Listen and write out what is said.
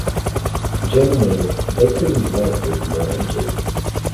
Generally they couldn’t work with more than two.